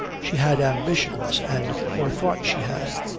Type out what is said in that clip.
She had ambitions, or thought she had.